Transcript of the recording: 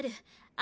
あ！